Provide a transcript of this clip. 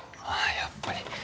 あやっぱり。